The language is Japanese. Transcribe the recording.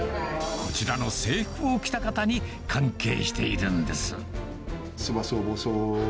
こちらの制服を着た方に、関係しているんです。